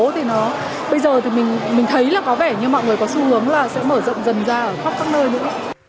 thì bây giờ thì mình thấy là có vẻ như mọi người có xu hướng là sẽ mở rộng dần ra ở khắp các nơi nữa